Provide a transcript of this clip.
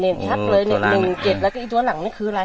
นี่ชัดเลย๑๗แล้วก็อีกตัวหลังนี้คืออะไร